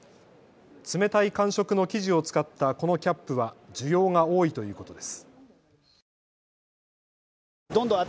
冷たい感触の生地を使ったこのキャップは需要が多いということです。